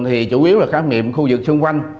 thì chủ yếu là khám nghiệm khu vực xung quanh